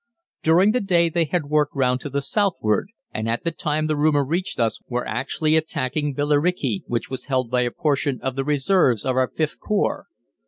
During the day they had worked round to the southward, and at the time the rumour reached us were actually attacking Billericay, which was held by a portion of the reserves of our Vth Corps.